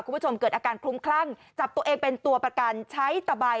เกิดอาการคลุ้มคลั่งจับตัวเองเป็นตัวประกันใช้ตะบาย